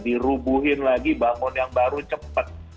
dirubuhin lagi bangun yang baru cepet